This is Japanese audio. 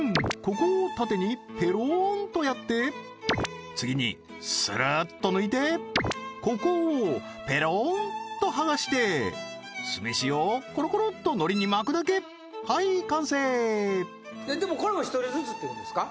ここを縦にペローンとやって次にスルッと抜いてここをペローンと剥がして酢飯をコロコロっと海苔に巻くだけはい完成でもこれも１人ずつっていうことですか？